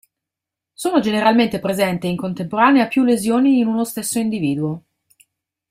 Sono generalmente presente in contemporanea più lesioni in uno stesso individuo.